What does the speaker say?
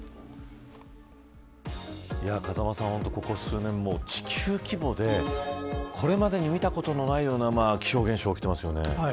風間さん、ここ数年地球規模でこれまでに見たことのないような気象現象が起きていますよね。